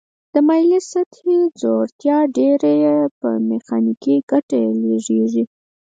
د مایلې سطحې ځوړتیا ډیره شي میخانیکي ګټه یې لږیږي.